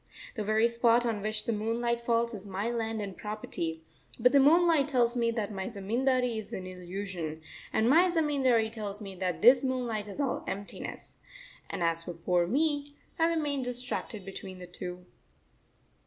The very spot on which the moonlight falls is my landed property, but the moonlight tells me that my zamindari is an illusion, and my zamindari tells me that this moonlight is all emptiness. And as for poor me, I remain distracted between the two.